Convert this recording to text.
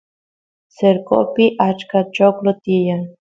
cercopi achka choclo tiyan